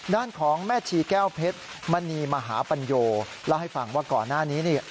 ด้านของแม่ชีแก้วเพชรมณีมหาปัญโยเล่าให้ฟังว่าก่อนหน้านี้เนี่ย